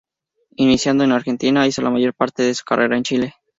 Iniciado en Argentina, hizo la mayor parte de su carrera en Chile.